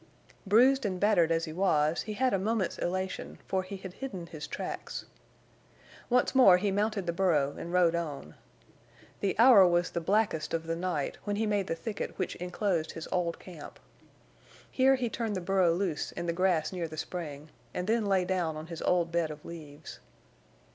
Bruised and battered as he was, he had a moment's elation, for he had hidden his tracks. Once more he mounted the burro and rode on. The hour was the blackest of the night when he made the thicket which inclosed his old camp. Here he turned the burro loose in the grass near the spring, and then lay down on his old bed of leaves.